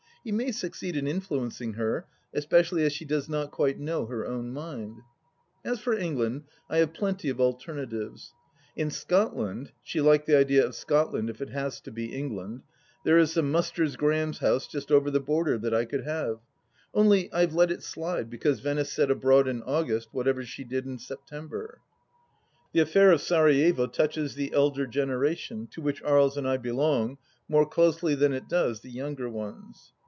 He may succeed in influencing her, especially as she does not quite know her own mind. ... As for England, I have plenty of alternatives. In Scot land — she liked the idea of Scotland if it has to be England — there is the Musters Graham's house just over the border that I could have, only I have let it slide because Venice said abroad in August, whatever she did in September. The affair of Sarajevo touches the elder generation, to which Aries and I belong, more closely than it does the younger ones.